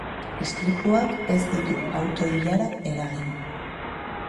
Istripuak ez ditu auto-ilararik eragin.